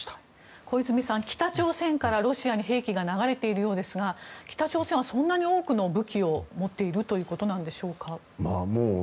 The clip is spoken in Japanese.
小泉さん、北朝鮮からロシアに兵器が流れているようですが北朝鮮はそんなに多くの武器を持っているということなんでしょうか。